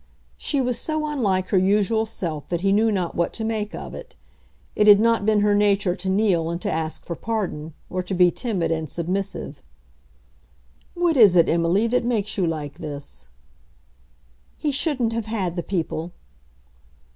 She was so unlike her usual self that he knew not what to make of it. It had not been her nature to kneel and to ask for pardon, or to be timid and submissive. "What is it, Emily, that makes you like this?" "He shouldn't have had the people."